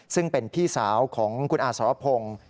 ซึ่งเป็นพี่สาวของคุณอาสรพงศ์